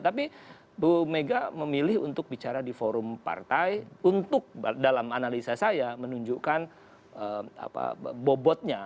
tapi bu mega memilih untuk bicara di forum partai untuk dalam analisa saya menunjukkan bobotnya